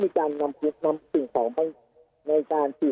มีการนำสิ่งของในการปีกออกไปบางส่วนนี้